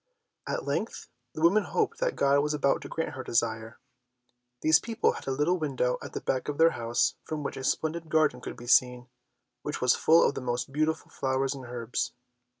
At length the woman hoped that God was about to grant her desire. These people had a little window at the back of their house from which a splendid garden could be seen, which was full of the most beautiful flowers and herbs.